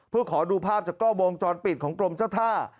เพื่อขอดูภาพจากกล้อวงจรปิดของกรมเจ้าท่า